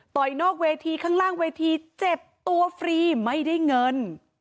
นอกเวทีข้างล่างเวทีเจ็บตัวฟรีไม่ได้เงิน